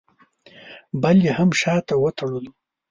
بل یې هم شاته وتړلو.